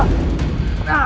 aku tidak bisa berubah